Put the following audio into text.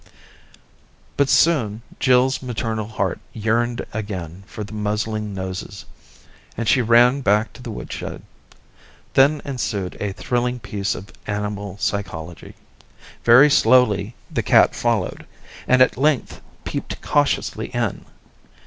But soon Jill's maternal heart yearned again for the muzzling noses, and she ran back to the wood shed. Then ensued a thrilling piece of animal psychology. Very slowly the cat followed, and at length peeped cautiously in.